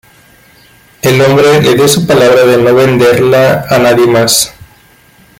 El hombre le dio su palabra de no venderla a nadie más.